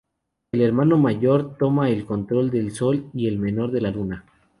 El hermano mayor toma el control del sol y el menor de la luna.